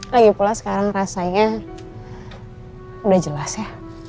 lagi pula sekarang rasanya udah jelas ya